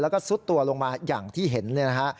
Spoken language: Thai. แล้วก็ซุดตัวลงมาอย่างที่เห็นเนี่ยนะฮะ